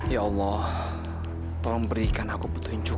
ya allah tolong berikan aku petunjuk